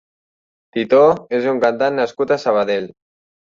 Titó és un cantant nascut a Sabadell.